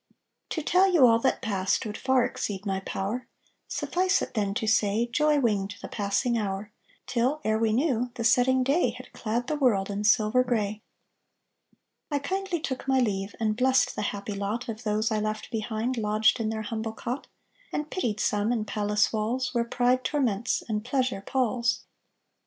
To tell you all that passed Would far exceed my power; Suffice it, then, to say, Joy winged the passing hour, Till, ere we knew, The setting day Had clad the world In silver grey. I kindly took my leave, And blessed the happy lot Of those I left behind Lodged in their humble cot; And pitied some In palace walls, Where pride torments, And pleasure palls.